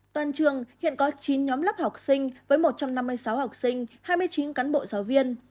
toàn trường hiện có chín nhóm lớp học sinh với một trăm năm mươi sáu học sinh hai mươi chín cán bộ giáo viên